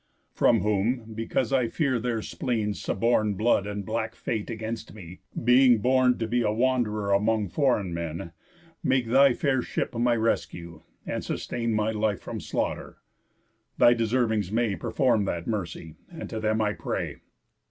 From whom, because I fear their spleens suborn Blood and black fate against me (being born To be a wand'rer among foreign men) Make thy fair ship my rescue, and sustain My life from slaughter. Thy deservings may Perform that mercy, and to them I pray."